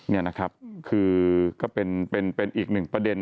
นี่นะครับคือก็เป็นอีกหนึ่งประเด็น